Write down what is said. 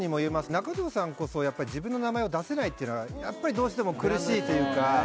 中城さんこそ、やっぱり自分の名前を出せないっていうのが、やっぱりどうしても苦しいというか。